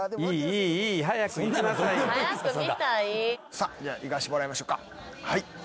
さぁじゃあ行かせてもらいましょうかはい。